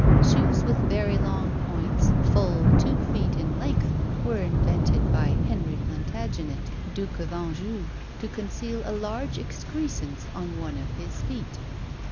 Shoes with very long points, full two feet in length, were invented by Henry Plantagenet, Duke of Anjou, to conceal a large excrescence on one of his feet.